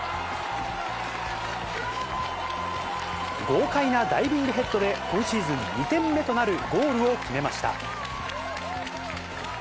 豪快なダイビングヘッドで、今シーズン２点目となるゴールを決めました。